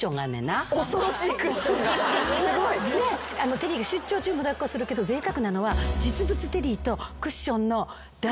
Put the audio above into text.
テディが出張中も抱っこするけどぜいたくなのは。